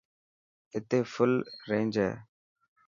اتي فل رينج هي.